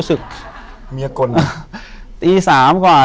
อยู่ที่แม่ศรีวิรัยิลครับ